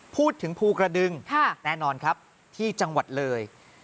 พูดถึงภูกระดึงแน่นอนครับที่จังหวัดเลย